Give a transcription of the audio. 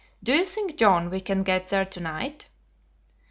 "Do you think, John, we can get there to night?"